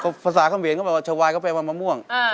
เขาภาษาคำเวียนเขาบอกว่าชาวายเขาแปลว่ามะม่วง